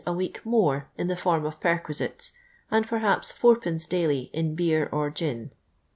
a week more in the fonn of perquisites, and perhaps 4t/. daily in beer or gin.